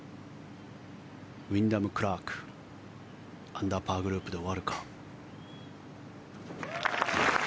ウィンダム・クラークアンダーパーグループで終わるか。